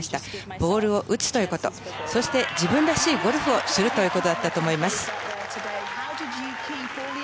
ボールを打つということそして自分らしいゴルフをするということだったと思います。